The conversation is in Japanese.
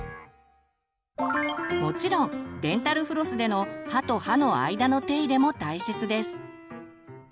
もちろんデンタルフロスでの歯と歯の間の手入れも大切です。